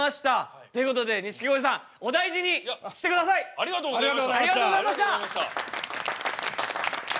ありがとうございます。